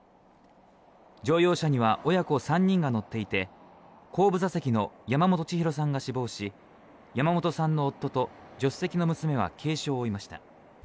乗用車には親子３人が乗っていて後部座席の山本ちひろさんが死亡し山本さんの夫と助手席の娘は軽傷を負いました。